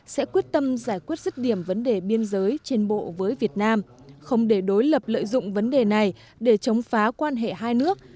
sẽ quyết tâm giải quyết rứt điểm vấn đề biên giới trên bộ với việt nam không để đối lập lợi dụng vấn đề này để chống phá quan hệ hai nước